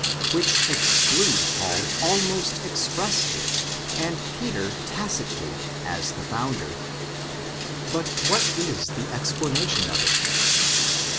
22 24), which exclude Paul almost expressly, and Peter tacitly, as the founder. But what is the explanation of it?